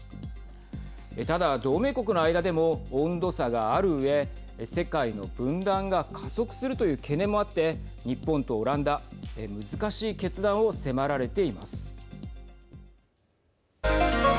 ただ、同盟国の間でも温度差があるうえ世界の分断が加速するという懸念もあって日本とオランダ難しい決断を迫られています。